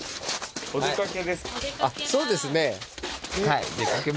そうですね。